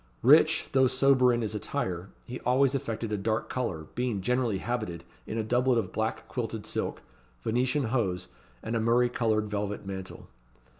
Rich, though sober in his attire, he always affected a dark colour, being generally habited in a doublet of black quilted silk, Venetian hose, and a murrey coloured velvet mantle.